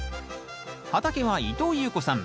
畑は伊藤裕子さん